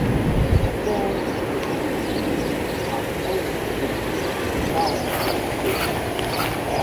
Stone Age remains have also been found there.